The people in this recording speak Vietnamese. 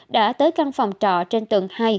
đã tới căn phòng trọ trên tường hai